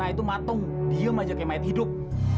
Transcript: si yana itu matung diem aja kayak mait hidup